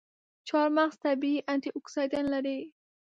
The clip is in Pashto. چارمغز طبیعي انټياکسیدان لري.